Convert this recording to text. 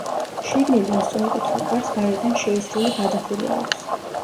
შიგნიდან სწორკუთხა კარს გარედან შეისრული გადახურვა აქვს.